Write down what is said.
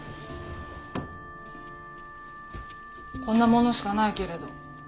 こんなものしかないけれど。